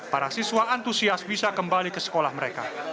para siswa antusias bisa kembali ke sekolah mereka